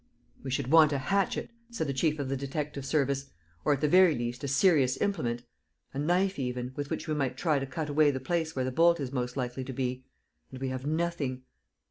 "We should want a hatchet," said the chief of the detective service, "or at the very least, a serious implement ... a knife even, with which we might try to cut away the place where the bolt is most likely to be ... and we have nothing.